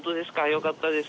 よかったです」